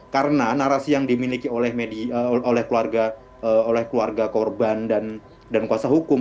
karena narasi yang dimiliki oleh keluarga korban dan kuasa hukum